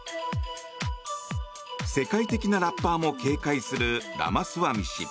世界的なラッパーも警戒するラマスワミ氏。